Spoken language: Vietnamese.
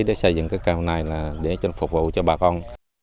để xây dựng cái cầu này để phục vụ cho bà con